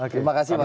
terima kasih bang